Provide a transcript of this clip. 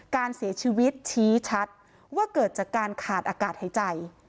การเสียชีวิตชี้ชัดว่าเกิดจากการขาดอากาศหายใจ